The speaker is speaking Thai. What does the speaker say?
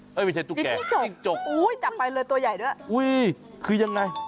ไม่ใช่ตุ๊กแก่จุ๊กจกอุ้ยจับไปเลยตัวใหญ่ด้วยอุ้ยคือยังไง